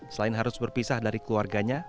selain harus berpisah dari keluarganya